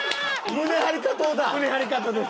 胸張り加藤です。